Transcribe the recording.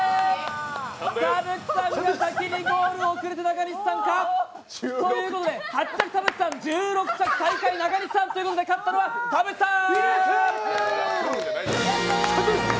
田渕さんが先にゴール！ということで、８着、田渕さん、１６着、中西さんということで、勝ったのは田渕さーん！